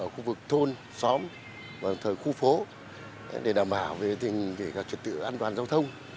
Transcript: khu vực thôn xóm và khu phố để đảm bảo về trật tự an toàn giao thông